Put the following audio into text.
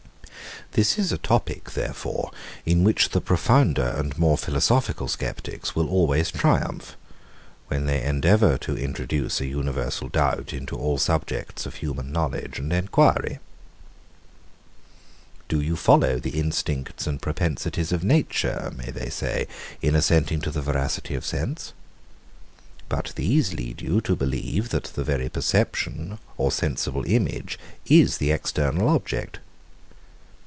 This is a topic, therefore, in which the profounder and more philosophical sceptics will always triumph, when they endeavour to introduce an universal doubt into all subjects of human knowledge and enquiry. Do you follow the instincts and propensities of nature, may they say, in assenting to the veracity of sense? But these lead you to believe that the very perception or sensible image is the external object.